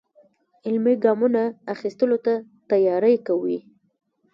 عملي ګامونو اخیستلو ته تیاری کوي.